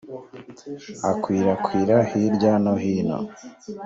akwirakwira hirya no hino